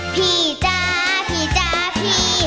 พี่จ๊ะพี่จ๊ะพี่